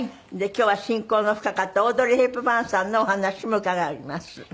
今日は親交の深かったオードリー・ヘプバーンさんのお話も伺います。